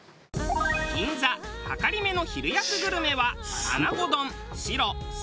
銀座はかりめの昼安グルメは。